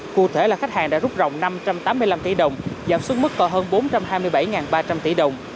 cụ thể là khách hàng đã rút rộng năm trăm tám mươi năm tỷ đồng giảm xuống mức còn hơn bốn trăm hai mươi bảy ba trăm linh tỷ đồng